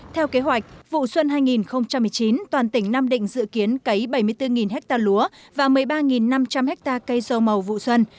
theo kế hoạch vụ xuân hai nghìn một mươi chín toàn tỉnh nam định dự kiến cấy bảy mươi bốn ha lúa và một mươi ba năm trăm linh ha cây dầu màu vụ xuân